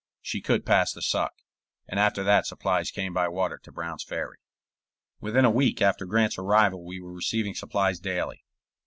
She could pass the Suck, and after that supplies came by water to Brown's Ferry. Within a week after Grant's arrival we were receiving supplies daily.